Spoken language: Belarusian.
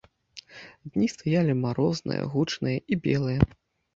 Дні стаялі марозныя, гучныя і белыя.